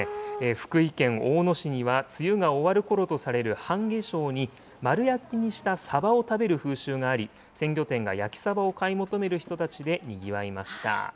福井県大野市には梅雨が終わるころとされる半夏生に、丸焼きにしたサバを食べる風習があり、鮮魚店が焼きサバを買い求める人たちでにぎわいました。